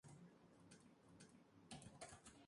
Burcardo I fue capturado y acusado de alta traición.